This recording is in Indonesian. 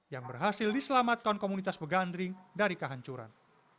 yang berhasil diselamatkan komunitas begandring dari kehancuran